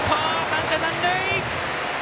三者残塁！